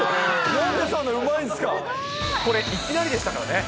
なんでそんこれ、いきなりでしたからね。